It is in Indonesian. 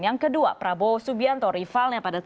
yang kedua prabowo subianto rivalnya pada